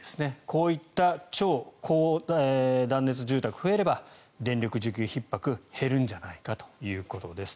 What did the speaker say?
こういった超高断熱住宅が増えれば電力需給ひっ迫は減るんじゃないかということです。